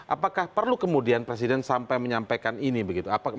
apakah perlu kemudian presiden sampai menyampaikan ini begitu